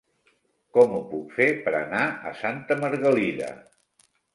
Com ho puc fer per anar a Santa Margalida?